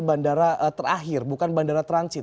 jadi bandara terakhir bukan bandara transit